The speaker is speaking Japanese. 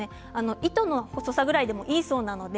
糸の細さぐらいでもいいそうです。